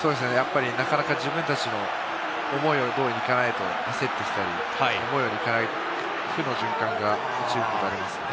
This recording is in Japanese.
なかなか自分たちも思い通りにいかないと焦ってきたり、思うようにいかない負の循環が感じられます。